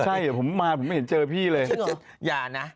ใช่เดี๋ยวผมมาผมไม่เห็นเจอพี่เลยจริงเหรออย่านะ